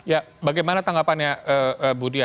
ya bagaimana tanggapannya budi ya